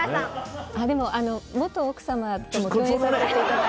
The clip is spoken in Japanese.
元奥様とも共演させていただいて。